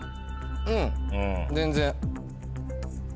うん全然。